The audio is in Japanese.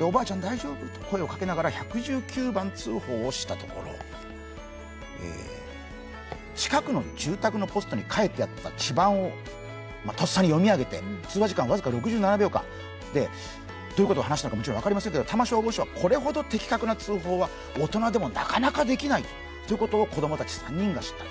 おばあちゃん大丈夫？と声をかけながら１１９番通報をしたところ近くの住宅のポストにあった地番をとっさに読み上げて、通話時間僅か６７秒間、どういうことを話したかよく分かりませんけど、多摩消防署はこれほど的確な通報は大人でもなかなかできないということを子供たち３人がしたと。